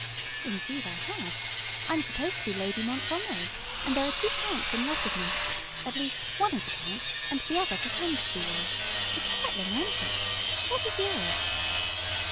"Indeed I have, I'm supposed to be Lady Montgomery, and there are two counts in love with me. At least, one is a count and the other pretends to be one. It's quite romantic. What is yours?"